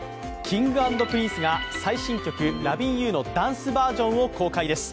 Ｋｉｎｇ＆Ｐｒｉｎｃｅが最新曲「Ｌｏｖｉｎ’ｙｏｕ」のダンスバージョンを公開です。